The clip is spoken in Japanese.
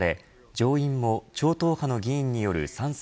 上院も超党派の議員による賛成